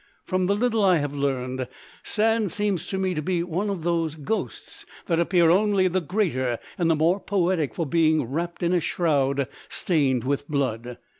"From the little I have learned, Sand seems to me to be one of those ghosts that appear only the greater and the more poetic for being wrapped in a shroud stained with blood.